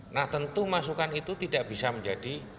nah tentu masukan itu tidak bisa menjadi